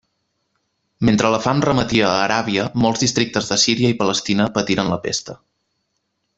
Mentre la fam remetia a Aràbia, molts districtes de Síria i Palestina patiren la pesta.